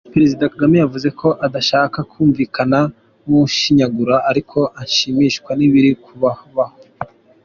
Perezida Kagame yavuze ko adashaka kumvikana nk’ushinyagura, ariko ashimishwa n’ibiri kubabaho.